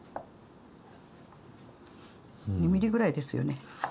２ｍｍぐらいですよね。